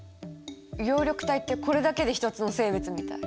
葉緑体ってこれだけで一つの生物みたい。